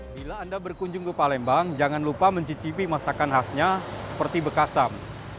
bila anda berkunjung ke palembang jangan lupa mencicipi masakan khasnya seperti bekasam